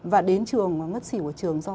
và đến trường ngất xỉu ở trường do